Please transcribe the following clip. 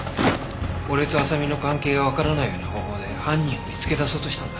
俺と麻未の関係がわからないような方法で犯人を見つけ出そうとしたんだ。